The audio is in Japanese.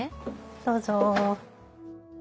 どうぞ。